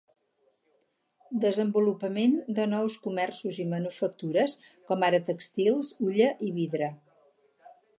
Desenvolupament de nous comerços i manufactures, com ara tèxtils, hulla i vidre.